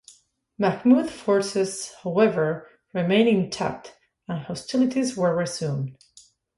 Mahmud's forces however, remained intact, and hostilities were resumed.